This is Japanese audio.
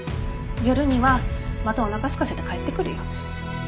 夜にはまたおなかすかせて帰ってくるよ。